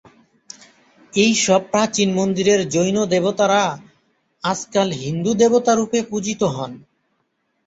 এই সব প্রাচীন মন্দিরের জৈন দেবতারা আজকাল হিন্দু দেবতা রূপে পূজিত হন।